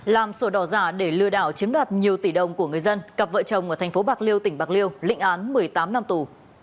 làm sổ đỏ giả để lừa đảo chiếm đoạt nhiều tỷ đồng của người dân cặp vợ chồng ở thành phố bạc liêu tỉnh bạc liêu lịnh án một mươi tám năm tù